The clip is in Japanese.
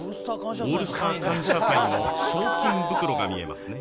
「オールスター感謝祭」の賞金袋が見えますね。